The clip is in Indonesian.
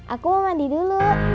aku mau mandi dulu